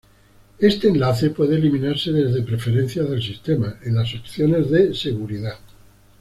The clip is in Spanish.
Este enlace puede eliminarse desde Preferencias del Sistema, en las opciones de seguridad.